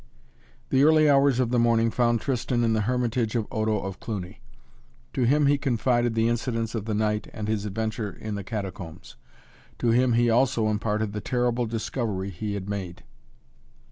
The early hours of the morning found Tristan in the hermitage of Odo of Cluny. To him he confided the incidents of the night and his adventure in the Catacombs. To him he also imparted the terrible discovery he had made.